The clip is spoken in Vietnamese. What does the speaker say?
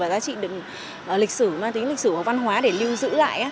giá trị lịch sử mang tính lịch sử và văn hóa để lưu giữ lại